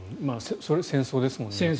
それは戦争ですもんね。